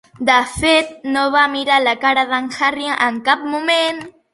De fet, no va mirar la cara d'en Harry en cap moment.